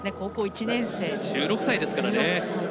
１６歳ですからね。